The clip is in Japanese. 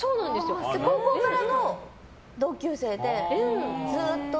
高校からの同級生でずっと。